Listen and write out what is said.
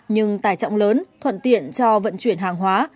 nhưng tài trọng lớn thuận tiện cho vận chuyển hàng hóa